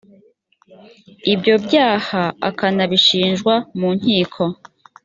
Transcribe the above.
ibyo byaha akanabishinjwa mu nkiko